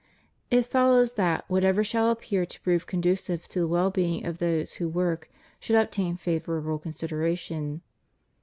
It follows that whatever shall appear to prove conducive to the well being of those who work should obtain favorable consideration.